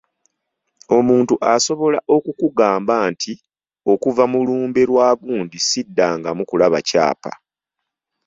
Omuntu asobola okukugamba nti okuva mu lumbe lwa gundi siddangamu kulaba kyapa.